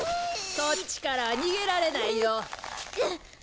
そっちからは逃げられないよ。